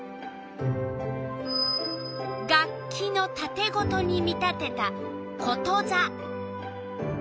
楽器のたてごとに見立てたことざ。